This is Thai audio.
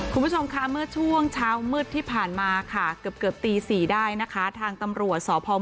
คุณผู้ชมค่ะเมื่อช่วงเช้ามืดที่ผ่านมาค่ะเกือบเกือบตี๔ได้นะคะทางตำรวจสพม